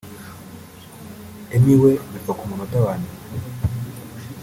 Emmy we bipfa ku munota wa nyuma